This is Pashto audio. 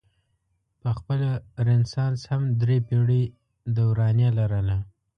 پخپله رنسانس هم درې پیړۍ دورانیه لرله.